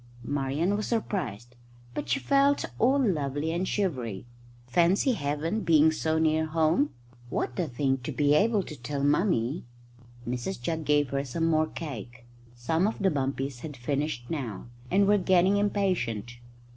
Marian was surprised, but she felt all lovely and shivery. Fancy Heaven being so near home! What a thing to be able to tell Mummy! Mrs Jugg gave her some more cake. Some of the bumpies had finished now, and were getting impatient.